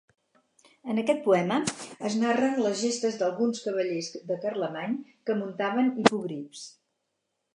En aquest poema, es narren les gestes d'alguns cavallers de Carlemany que muntaven hipogrifs.